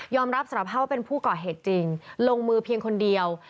รับสารภาพว่าเป็นผู้ก่อเหตุจริงลงมือเพียงคนเดียว